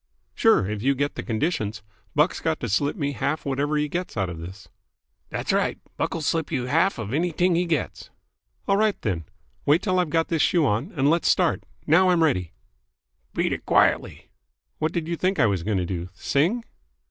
"Sure, if you get the conditions. Buck's got to slip me half of whatever he gets out of this." "Dat's right. Buck'll slip youse half of anyt'ing he gets." "All right, then. Wait till I've got this shoe on, and let's start. Now I'm ready." "Beat it quietly." "What did you think I was going to do? Sing?"